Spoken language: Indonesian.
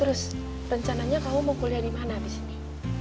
terus rencananya kamu mau kuliah di mana abis ini